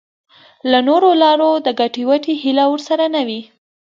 له نورو لارو د ګټې وټې هیله ورسره نه وي.